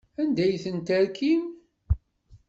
Anda ay ten-terkim?